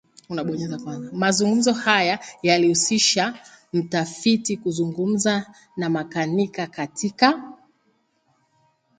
Mazungumzo haya yalihusisha mtafiti kuzungumza na makanika katika